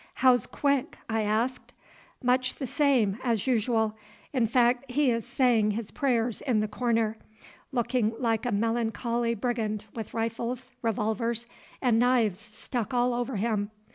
"How's Quick?" I asked. "Much the same as usual. In fact, he is saying his prayers in the corner, looking like a melancholy brigand with rifles, revolvers, and knives stuck all over him.